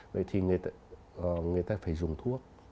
vậy thì người ta phải dùng thuốc